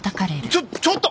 ちょちょっと。